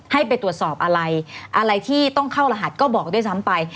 ให้ไปตรวจสอบอะไรอะไรที่ต้องเข้ารหัสก็บอกด้วยซ้ำไป